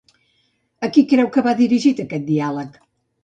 A qui creu que va dirigit aquest diàleg?